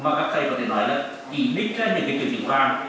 mà các thầy có thể nói là chỉ nít ra những triều trữ hoa